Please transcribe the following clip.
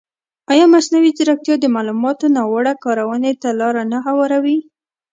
ایا مصنوعي ځیرکتیا د معلوماتو ناوړه کارونې ته لاره نه هواروي؟